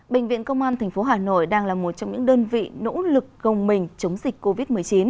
bệnh viện công an tp hà nội đang là một trong những đơn vị nỗ lực gồng mình chống dịch covid một mươi chín